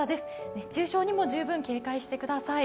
熱中症にも十分警戒してください。